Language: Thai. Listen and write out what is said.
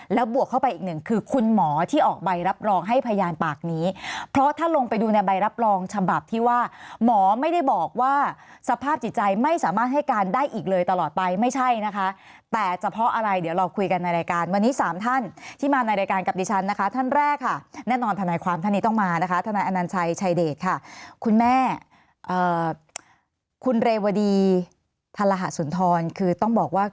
แล้วบวกเข้าไปอีกหนึ่งคือคุณหมอที่ออกใบรับรองให้พยานปากนี้เพราะถ้าลงไปดูในใบรับรองฉบับที่ว่าหมอไม่ได้บอกว่าสภาพจิตใจไม่สามารถให้การได้อีกเลยตลอดไปไม่ใช่นะคะแต่เฉพาะอะไรเดี๋ยวเราคุยกันในรายการวันนี้สามท่านที่มาในรายการกับดิฉันนะคะท่านแรกค่ะแน่นอนทนายความท่านนี้ต้องมานะคะทนายอนัญชัยชายเดชค่ะคุณแม่คุณเรวดีธรหสุนทรคือต้องบอกว่า